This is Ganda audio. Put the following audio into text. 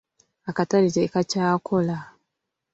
Akatale tekakyakola.